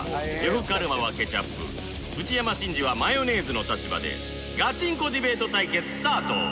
呂布カルマはケチャップ内山信二はマヨネーズの立場でガチンコディベート対決スタート！